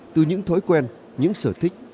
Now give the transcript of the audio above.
từ những thói quen những sở thích